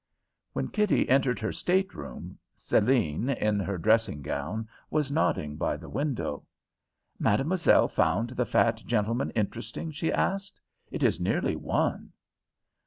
_" When Kitty entered her state room, Céline, in her dressing gown, was nodding by the window. "Mademoiselle found the fat gentleman interesting?" she asked. "It is nearly one."